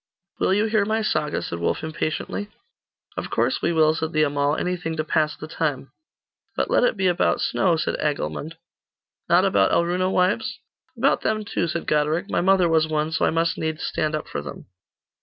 'Will you hear my saga?' said Wulf impatiently. 'Of course we will,' said the Amal; 'anything to pass the time.' 'But let it be about snow,' said Agilmund. 'Not about Alruna wives?' 'About them, too,' said Goderic; 'my mother was one, so I must needs stand up for them.